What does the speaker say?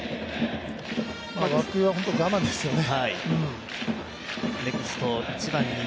野球は本当に我慢ですよね。